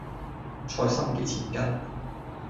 菜芯幾錢斤？